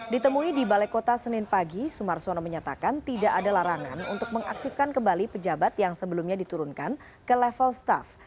ditemui di balai kota senin pagi sumarsono menyatakan tidak ada larangan untuk mengaktifkan kembali pejabat yang sebelumnya diturunkan ke level staff